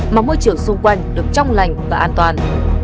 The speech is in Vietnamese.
mà môi trường xung quanh được trong lành và an toàn